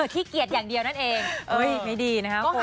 เทียดอย่างเดียวนั่นเองไม่ดีนะครับคุณ